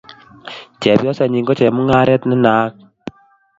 chepyosenyin ko chemung'aret ne naaka